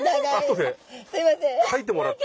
後で書いてもらって。